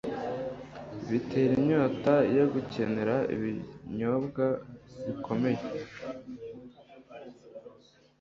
bitera inyota yo gukenera ibinyobwa bikomeye